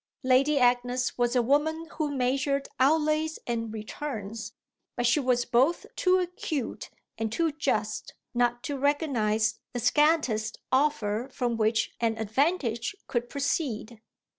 Lady Agnes was a woman who measured outlays and returns, but she was both too acute and too just not to recognise the scantest offer from which an advantage could proceed.